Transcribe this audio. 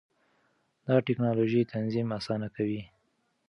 دا ټېکنالوژي تنظیم اسانه کوي.